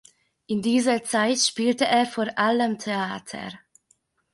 In dieser Zeit spielte er vor allem Theater.